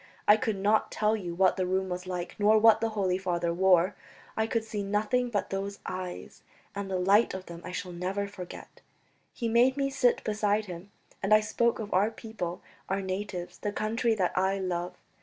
I could not tell you what the room was like nor what the Holy Father wore; I could see nothing but those eyes, and the light of them I shall never forget. He made me sit beside him, and I spoke of our people, our natives, the country that I love.